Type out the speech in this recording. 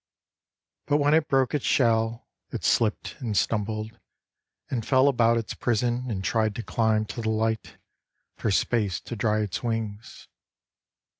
But when it broke its shell It slipped and stumbled and fell about its prison And tried to climb to the light For space to dry its wings.